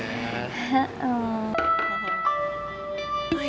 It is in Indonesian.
terima kasih ya